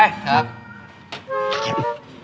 ครับ